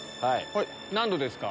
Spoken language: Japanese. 何℃ですか？